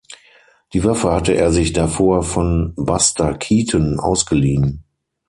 Die Waffe hatte er sich davor von Buster Keaton ausgeliehen.